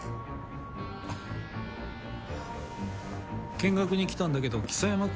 見学に来たんだけど象山君